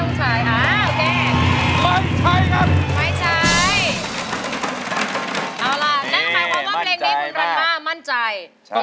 เอาละแล้วหมายความว่าเพลงนี้คุณรัญมามั่นใจใช่ค่ะ